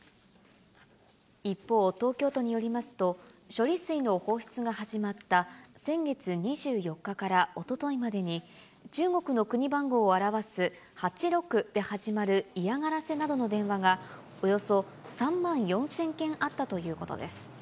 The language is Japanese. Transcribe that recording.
一方、東京都によりますと、処理水の放出が始まった先月２４日からおとといまでに、中国の国番号を表す８６で始まる嫌がらせなどの電話が、およそ３万４０００件あったということです。